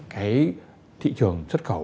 cái thị trường xuất khẩu